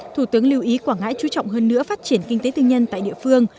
thủ tướng lưu ý quảng ngãi chú trọng hơn nữa phát triển kinh tế tư nhân tại địa phương